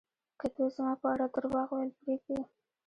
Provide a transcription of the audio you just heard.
که دوی زما په اړه درواغ ویل پرېږدي